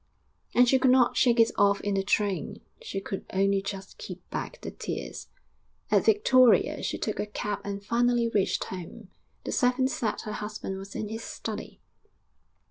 And she could not shake it off in the train; she could only just keep back the tears. At Victoria she took a cab and finally reached home. The servants said her husband was in his study.